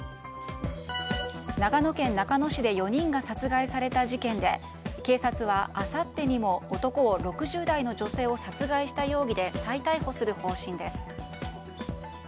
長野県中野市で４人が殺害された事件で警察はあさってにも男を６０代の女性を殺害した容疑で再逮捕する方針です。